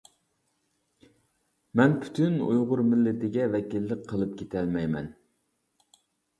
مەن پۈتۈن ئۇيغۇر مىللىتىگە ۋەكىللىك قىلىپ كېتەلمەيمەن.